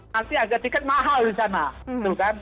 nanti harga tiket mahal di sana gitu kan